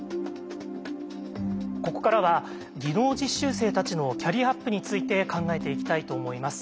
ここからは技能実習生たちのキャリアアップについて考えていきたいと思います。